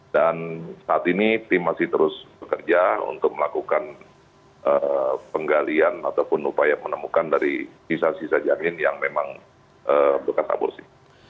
dan saat ini tim masih terus bekerja untuk melakukan penggalian ataupun upaya menemukan dari sisa sisa janin yang memang bekas aborsi